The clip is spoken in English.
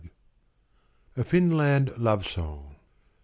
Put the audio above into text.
A FINLAND LOVE SONG.